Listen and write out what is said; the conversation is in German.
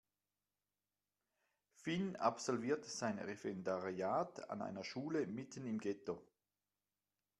Finn absolviert sein Referendariat an einer Schule mitten im Ghetto.